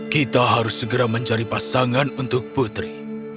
kita harus segera mencari pasangan untuk putri